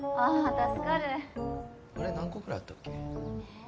助かるあれ何個ぐらいあったっけ？